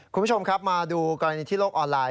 คุณผู้ชมครับมาดูกรณีที่โลกออนไลน